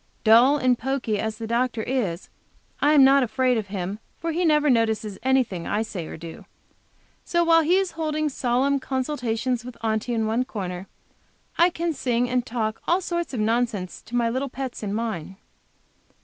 Dull and poky as the doctor is, I am not afraid of him, for he never notices anything I say or do, so while he is holding solemn consultations with Aunty in one corner, I can sing and talk all sorts of nonsense to my little pets in mine.